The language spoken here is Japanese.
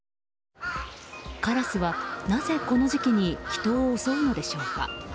カラスは、なぜこの時期に人を襲うのでしょうか。